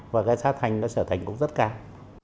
và cái xác thành nó sẽ thành cũng rất cao